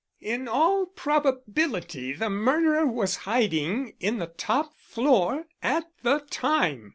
"In all probability the murderer was hiding in the top floor at the time.